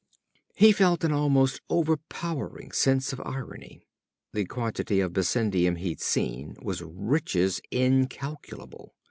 He felt an almost overpowering sense of irony. The quantity of bessendium he'd seen was riches incalculable.